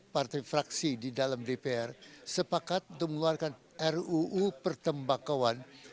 partai fraksi di dalam dpr sepakat untuk mengeluarkan ruu pertembakauan